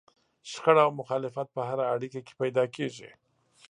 شخړه او مخالفت په هره اړيکه کې پيدا کېږي.